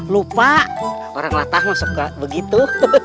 lupa orang latah masa begitu